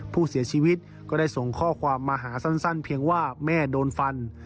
ผู้เสียชีวิตก็ได้ส่งข้อความมาหาสั้นเพียงว่าแม่โดนฟัน